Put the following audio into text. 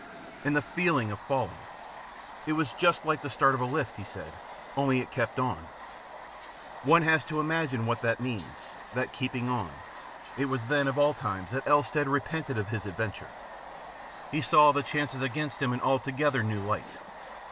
And the feeling of falling ! It was just like the start of a lift, he said, only it kept on. One has to imagine what that means, that keeping on. It was then of all times that Elstead repented of his adventure. He saw the chances against him in an altogether new light.